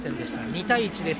２対１です。